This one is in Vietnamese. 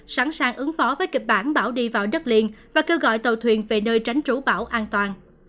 sẵn sàng ứng phó với kịch bản bão đi vào đất liền và kêu gọi tàu thuyền về nơi tránh trú bão an toàn